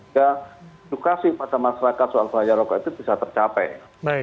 sehingga edukasi pada masyarakat soal bahaya rokok itu bisa tercapai